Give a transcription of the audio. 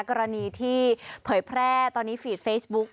กรณีที่เผยแพร่ตอนนี้ฟีดเฟซบุ๊ก